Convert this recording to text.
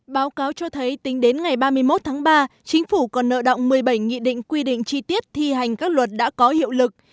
báo cáo cho thấy tính đến ngày ba mươi một tháng ba chính phủ còn nợ động một mươi bảy nghị định quy định chi tiết thi hành các luật đã có hiệu lực